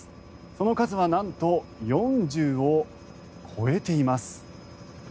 その数はなんと４０を超えています。